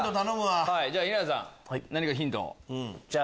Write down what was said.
じゃあ稲田さん何かヒントを。